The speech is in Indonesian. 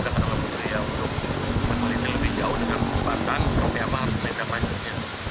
kepada keputusan rakyat untuk menemani lebih jauh dengan kesempatan